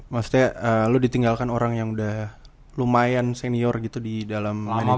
maksudnya lo ditinggalkan orang yang udah lumayan senior gitu di dalam